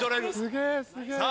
さあ